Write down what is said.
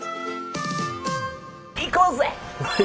行こうぜ！